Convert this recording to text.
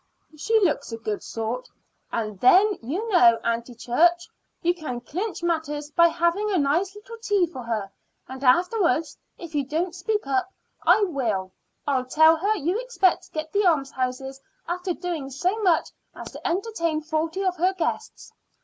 "She looks a good sort." "And then, you know, Aunty Church, you can clinch matters by having a nice little tea for her; and afterwards, if you don't speak up, I will. I'll tell her you expect to get the almshouse after doing so much as to entertain forty of her guests."